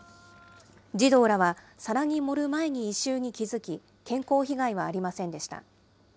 児童らは、皿に盛る前に異臭に気付き、健康被害はありませんでした。